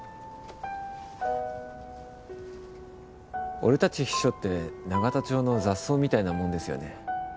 俺たち秘書って永田町の雑草みたいなもんですよね。